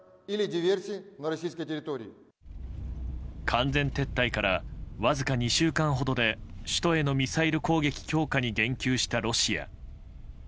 完全撤退からわずか２週間ほどで首都へのミサイル攻撃強化に言及したロシア。